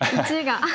１が。